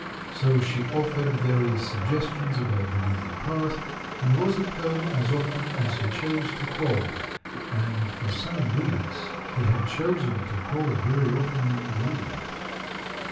So she offered various suggestions about the leading 848 THE MAN WHO UNDERSTOOD WOMEN part, and was at home as often as he chose to call — and for some weeks he had chosen to call very often indeed.